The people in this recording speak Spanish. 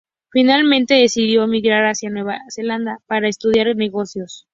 Finalmente, decidió emigrar hacia Nueva Zelanda para estudiar negocios.